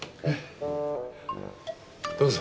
どうぞ。